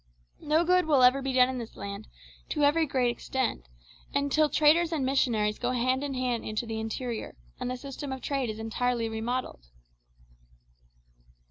No good will ever be done in this land, to any great extent, until traders and missionaries go hand in hand into the interior, and the system of trade is entirely remodelled."